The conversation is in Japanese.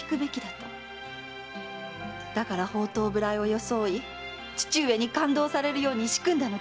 だから放蕩無頼を装い父上に勘当されるように仕組んだのです。